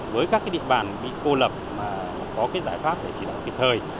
với các địa bàn bị cô lập mà có giải pháp để chỉ đoạn kịp thời